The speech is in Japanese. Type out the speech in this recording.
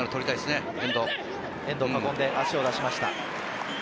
遠藤、運んで足を出しました。